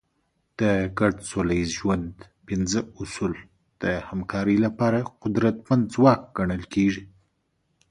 د ګډ سوله ییز ژوند پنځه اصول د همکارۍ لپاره قدرتمند ځواک ګڼل کېږي.